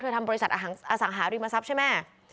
ทำบริษัทอสังหาริมทรัพย์ใช่ไหม